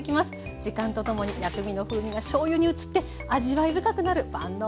時間とともに薬味の風味がしょうゆに移って味わい深くなる万能だれ。